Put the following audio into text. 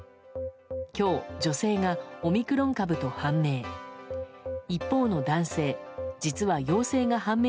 今日、女性がオミクロン株と判明。